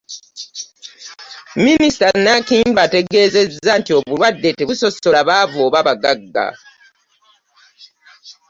Minisita Nankindu ategeezezza nti obulwadde tebusosola baavu oba bagagga.